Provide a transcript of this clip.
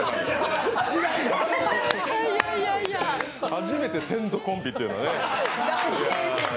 初めて先祖コンビっていうのはね。